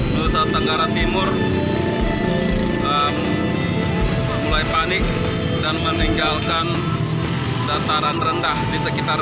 nusa tenggara timur mulai panik dan meninggalkan dataran rendah di sekitar